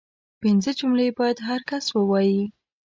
پنځه جملې باید هر کس ووايي